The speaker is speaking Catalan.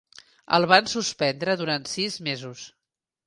El van suspendre durant sis mesos.